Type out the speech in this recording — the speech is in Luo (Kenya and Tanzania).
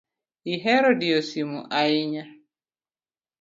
Ihero diyo simu ahinya.